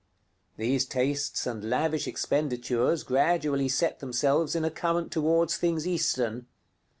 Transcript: These tastes and lavish expenditures gradually set themselves in a current toward things Eastern.